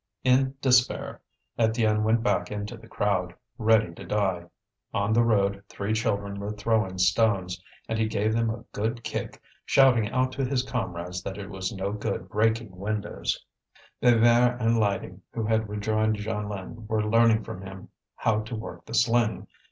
In despair, Étienne went back into the crowd, ready to die. On the road, three children were throwing stones, and he gave them a good kick, shouting out to his comrades that it was no good breaking windows. Bébert and Lydie, who had rejoined Jeanlin, were learning from him how to work the sling.